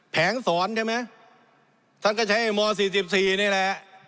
แผงสอนใช่ไหมท่านก็ใช้ม๔๔นี่แหละ